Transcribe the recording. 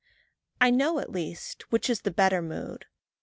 I know at least which is the better mood.